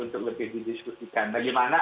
untuk lebih didiskusikan bagaimana